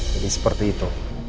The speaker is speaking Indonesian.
jadi seperti itu